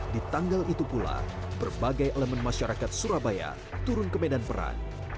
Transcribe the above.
di tanggal itu pula berbagai elemen masyarakat surabaya turun ke medan peran